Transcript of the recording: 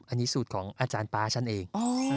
อันนี้สูตรของอาจารย์ป๊าฉันเอง